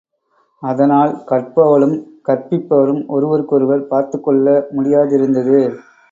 அதனால் கற்பவளும் கற்பிப் பவரும் ஒருவருக்கொருவர் பார்த்துக்கொள்ள முடியாதிருந்தது.